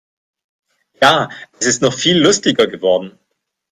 Ja, es ist noch viel lustiger geworden.